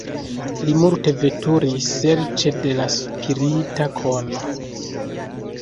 Li multe veturis serĉe de spirita kono.